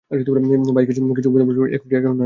By, কিছু কথা বলার ছিলো, এখন আসবো না পড়ে?